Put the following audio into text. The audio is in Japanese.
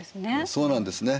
そうなんですね。